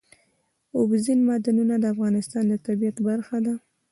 اوبزین معدنونه د افغانستان د طبیعت برخه ده.